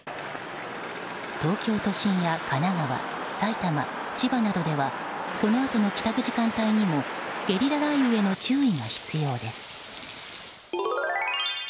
東京都心や神奈川、埼玉千葉などではこのあとの帰宅時間帯にもゲリラ雷雨への注意が必要です。